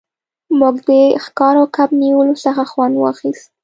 موږ د ښکار او کب نیولو څخه خوند واخیست